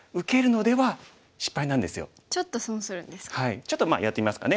ちょっとやってみますかね。